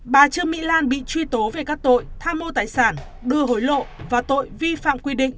bà trương mỹ lan bị truy tố về các tội tham mô tài sản đưa hối lộ và tội vi phạm quy định